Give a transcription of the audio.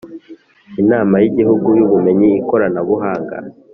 Inama y’ Igihugu y’ Ubumenyi n Ikoranabuhanga